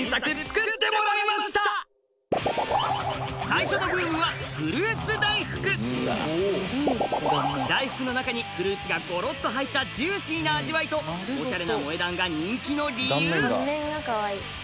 最初のブームは大福の中にフルーツがゴロッと入ったジューシーな味わいとオシャレな萌え断が人気の理由！